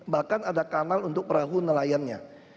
bahkan ada kanal untuk perahu nelayannya